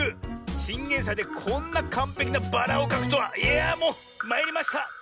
チンゲンサイでこんなかんぺきなバラをかくとはいやあもうまいりました！